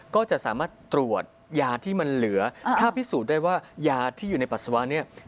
ก็จะสามารถตรวจยาที่มันเหลือถ้าพิสูจน์ได้ว่ายาที่อยู่ในปัสสาวะเนี่ย